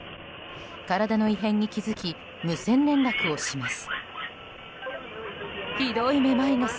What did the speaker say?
体の異変に気付き無線連絡をします。